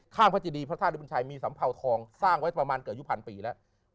ข้างพระจิดีพระท่านบุญชัยมีสำเภาทองสร้างไว้ประมาณเกือบพันปีแล้ว